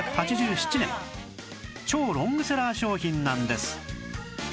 超ロングセラー商品なんです